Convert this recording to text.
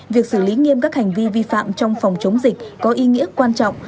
việc xử lý nghiêm các hành vi vi phạm trong phòng chống dịch có ý nghĩa quan trọng